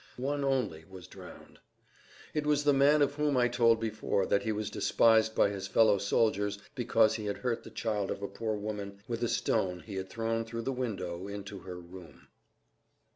One only was drowned. It was the man of whom I told before that he was despised by his fellow soldiers because he had hurt the child of a poor woman with a stone he had thrown through the window into her room.